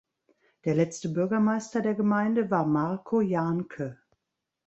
Der letzte Bürgermeister der Gemeinde war Marko Janke.